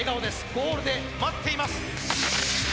ゴールで待っています。